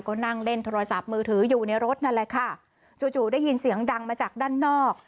ก็นั่งเล่นโทรศัพท์มือถืออยู่ในรถนั่นแหละค่ะจู่จู่ได้ยินเสียงดังมาจากด้านนอก